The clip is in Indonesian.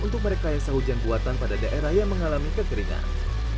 untuk merekayasa hujan buatan pada daerah yang mengalami kekeringan